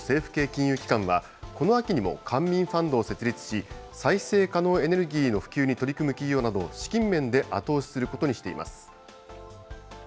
金融機関は、この秋にも官民ファンドを設立し、再生可能エネルギーの普及に取り組む企業などを資金面で後押しすることにしています。